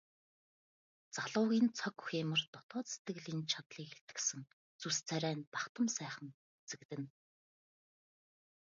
Залуугийн цог хийморь дотоод сэтгэлийн чадлыг илтгэсэн зүс царай нь бахдам сайхан үзэгдэнэ.